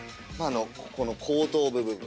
この後頭部部分。